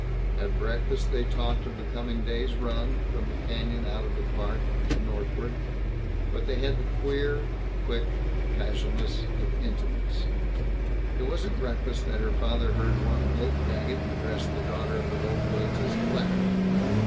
At breakfast they talked of the coming day's run, from the canyon out of the Park, and northward. But they had the queer, quick casualness of intimates. It was at breakfast that her father heard one Milt Daggett address the daughter of the Boltwoods as "Claire."